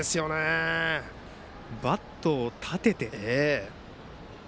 バットを立てて。